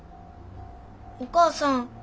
お母さん。